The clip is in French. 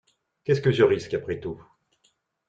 Qu’est-ce que je risque, après tout?